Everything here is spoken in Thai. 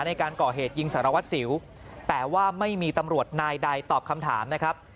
ในการก่อเหตุยิงสารวัตรสิวแต่ว่าไม่มีตำรวจนายใดตอบคำถามนะครับ